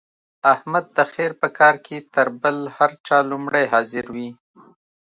احمد د خیر په کار کې تر بل هر چا لومړی حاضر وي.